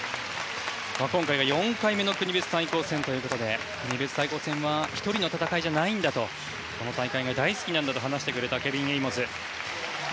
今回は４回目の国別対抗戦ということで国別対抗戦は１人の戦いじゃないんだとこの大会が大好きなんだと話してくれたケビン・エイモズ。